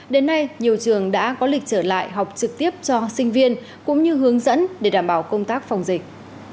đến nay nhiều trường đã có lịch trở lại học trực tiếp cho sinh viên cũng như hướng dẫn để đảm bảo công tác phòng dịch